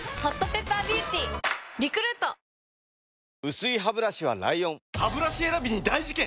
薄いハブラシは ＬＩＯＮハブラシ選びに大事件！